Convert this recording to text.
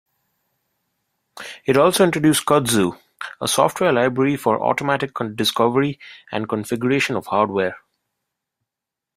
It also introduced Kudzu, a software library for automatic discovery and configuration of hardware.